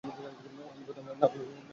আমার কথা না শুনলে আপনি মারা পড়তে পারেন।